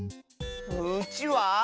うちわ？